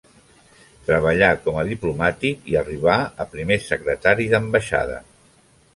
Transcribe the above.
Treballà com a diplomàtic i arribà a primer secretari d'ambaixada.